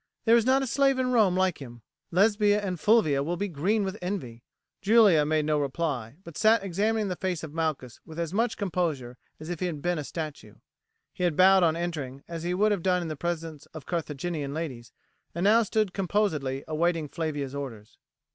"There is not a slave in Rome like him. Lesbia and Fulvia will be green with envy." Julia made no reply, but sat examining the face of Malchus with as much composure as if he had been a statue. He had bowed on entering, as he would have done in the presence of Carthaginian ladies, and now stood composedly awaiting Flavia's orders.